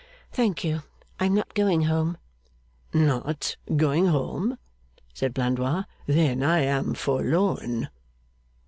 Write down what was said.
'Thank you: I am not going home.' 'Not going home!' said Blandois. 'Then I am forlorn.